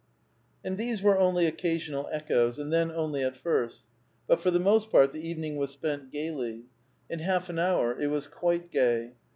And these were only occasional echoes, and then only at first. But for the most part the evening was spent gayly ; in half an hour it was quite gay.